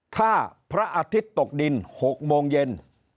ถ้าพระอาทิตย์ตกดิน๖โมงเย็น